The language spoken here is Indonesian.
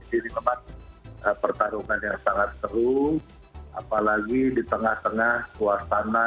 jadi memang pertarungannya sangat seru apalagi di tengah tengah suasana